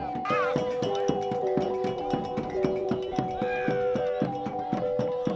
nama kita seperti itu